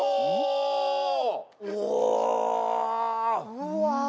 うわ！